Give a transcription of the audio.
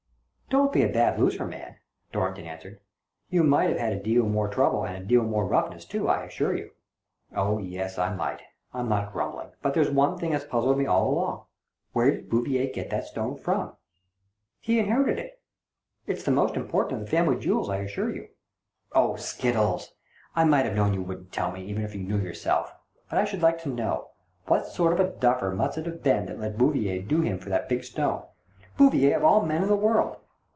*' Don't be a bad loser, man !" Dorrington answered. " You might have had a deal more trouble and a deal more roughness too, I assure you." " Oh yes, so I might. I'm not grumbling. But there's one thing has puzzled me all along. Where did Bouvier get that stone from ?"" He inherited it. It's the most important of the family jewels, I assure you." "Oh, skittles! I might have known you wouldn't tell me, even if you knew yourself. But I should like to know. What sort of a duffer must it have been that let Bouvier do him for that big stone — Bouvier of all men in the world